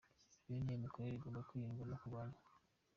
Bene iyo mikorere igomba kwirindwa no kurwanywa."